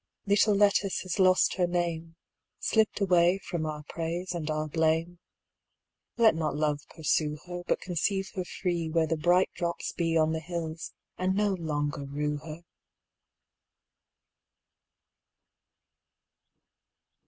Little Lettice has lost her name, Slipt away from our praise and our blame; Let not love pursue her, But conceive her freeWhere the bright drops beOn the hills, and no longer rue her!